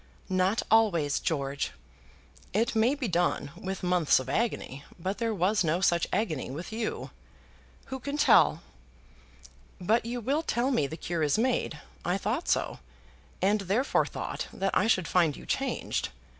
"Not always, George." "It may be done with months of agony; but there was no such agony with you." "Who can tell?" "But you will tell me the cure was made. I thought so, and therefore thought that I should find you changed.